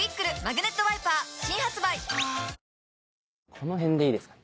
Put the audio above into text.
この辺でいいですか？